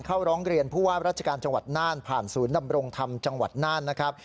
ร้องเรียนผู้ว่าราชการจังหวัดน่านผ่านศูนย์ดำรงธรรมจังหวัดน่านนะครับ